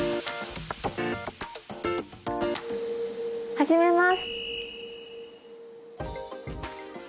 始めます。